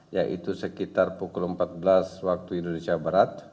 yaitu sekitar pukul empat belas waktu indonesia barat